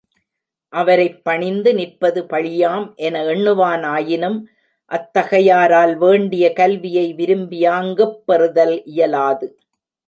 அவரைப் பணிந்து நிற்பது பழியாம்! என எண்ணுவானாயினும் அத்தகையாரால் வேண்டிய கல்வியை விரும்பியாங்குப் பெறுதல் இயலாது.